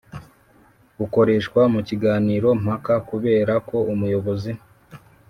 bukoreshwa mu kiganiro mpaka, kubera ko umuyobozi